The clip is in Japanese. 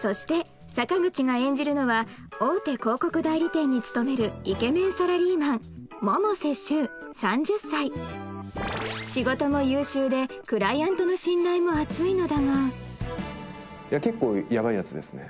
そして坂口が演じるのは大手広告代理店に勤めるイケメンサラリーマン仕事も優秀でクライアントの信頼も厚いのだがって思ったんですよ